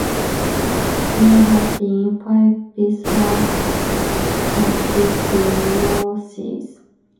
There have been five bishops of this diocese.